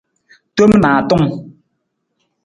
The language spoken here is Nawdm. Tom naatung.